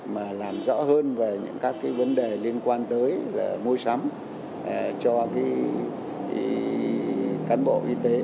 mà làm rõ hơn về những các cái vấn đề liên quan tới mua sắm cho cán bộ y tế